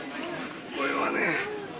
これはね。